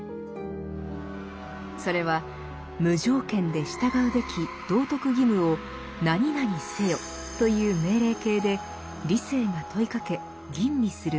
それは無条件で従うべき道徳義務を「何々せよ」という命令形で理性が問いかけ吟味するもの。